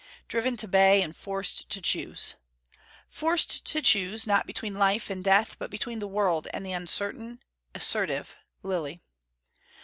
Driven to bay, and forced to choose. Forced to choose, not between life and death, but between the world and the uncertain, assertive Lilly.